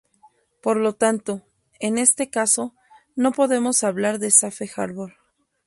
Por lo tanto, en este caso, no podemos hablar de safe harbor.